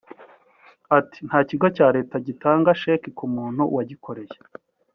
Ati ”Nta kigo cya Leta kigitanga sheki ku muntu wagikoreye